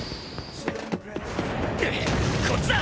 こっちだ！